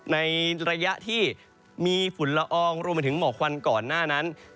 ในระยะที่มีฝุ่นละอองรวมไปถึงหมอกควันก่อนหน้านั้น